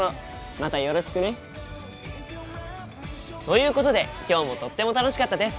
またよろしくね！ということで今日もとっても楽しかったです！